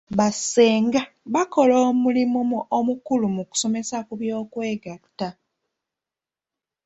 Ba ssengabakola omulimu omukulu mu kusomesa ku by'okwegatta.